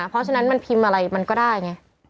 เพราะฉะนั้นมันพิมพ์อะไรมันก็ได้ไง